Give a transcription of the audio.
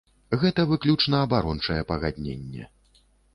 Гэта выключна абарончае пагадненне.